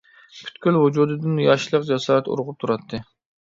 پۈتكۈل ۋۇجۇدىدىن ياشلىق جاسارىتى ئۇرغۇپ تۇراتتى.